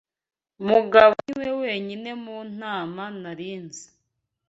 Mugabo niwe wenyine mu nama nari nzi.